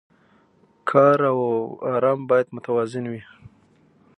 کار او ارام باید متوازن وي.